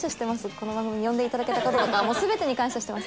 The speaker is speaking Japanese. この番組に呼んでいただけた事とかもう全てに感謝してます。